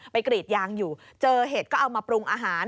กรีดยางอยู่เจอเห็ดก็เอามาปรุงอาหาร